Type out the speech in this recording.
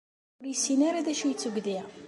Ur yessin ara d acu ay d-tuggdi.